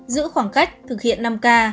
giữ khoảng cách thực hiện năm k